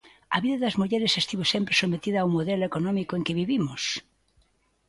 A vida das mulleres estivo sempre sometida ao modelo económico en que vivimos.